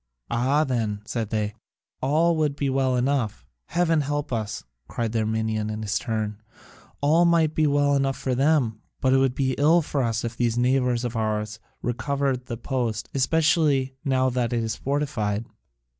"Ah, then," said they, "all would be well enough." "Heaven help us!" cried the Armenian in his turn, "all might be well enough for them, but it would be ill for us if these neighbours of ours recovered the post, especially now that it is fortified."